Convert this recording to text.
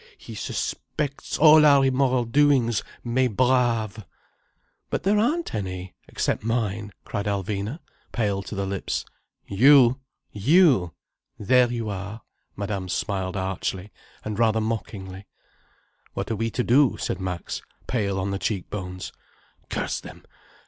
He suspects all our immoral doings, mes braves." "But there aren't any, except mine," cried Alvina, pale to the lips. "You! You! There you are!" Madame smiled archly, and rather mockingly. "What are we to do?" said Max, pale on the cheekbones. "Curse them!